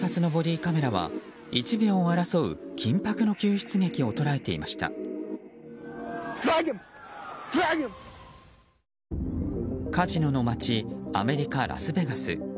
カジノの街アメリカ・ラスベガス。